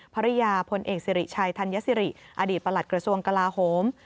ภรรยาพลเอกสิริชัยธัญสิริอดีตประหลัดกระทรวงกลาโหม